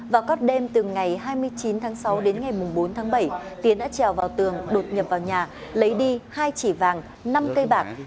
vào các đêm từ ngày hai mươi chín tháng sáu đến ngày bốn tháng bảy tiến đã trèo vào tường đột nhập vào nhà lấy đi hai chỉ vàng năm cây bạc